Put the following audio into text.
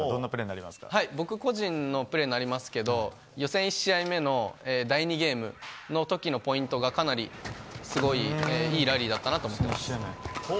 僕個人のプレーになりますが予選１試合目の第２ゲームの時のポイントがかなりすごいいいラリーだったと思います。